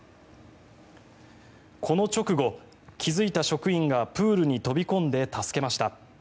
この直後、気付いた職員がプールに飛び込んで助けました。